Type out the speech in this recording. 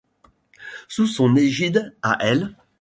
Sous son égide à elle.